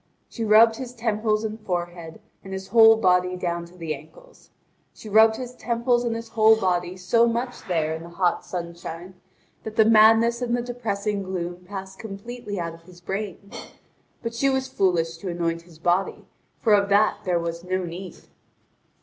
She rubbed his temples and forehead, and his whole body down to the ankles. She rubbed his temples and his whole body so much there in the hot sunshine that the madness and the depressing gloom passed completely out of his brain. But she was foolish to anoint his body, for of that there was no need.